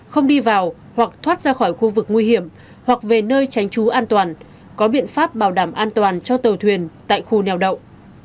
không đi vào hoặc thoát ra khỏi khu vực nguy hiểm hoặc về nơi tránh trú an toàn có biện pháp bảo đảm an toàn cho tàu thuyền tại khu neo đậu